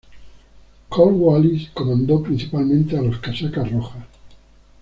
Cornwallis comandó principalmente a los casacas rojas.